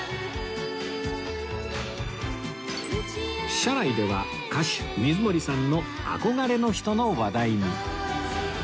車内では歌手水森さんの憧れの人の話題に